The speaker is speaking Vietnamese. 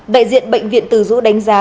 đại diện bệnh viện từ dũ đánh giá